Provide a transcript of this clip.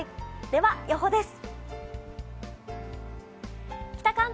では、予報です。